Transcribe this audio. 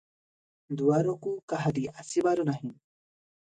ଦୁଆରକୁ କାହାରି ଆସିବାର ନାହିଁ ।